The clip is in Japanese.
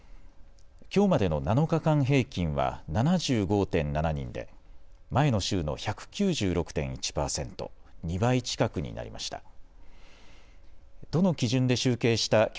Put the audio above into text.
きょうまでの７日間平均は７５．７人で前の週の１９６．１％、２倍近くになりました。